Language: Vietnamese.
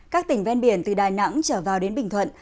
các tỉnh ven biển từ đà nẵng trở vào đến bình thuận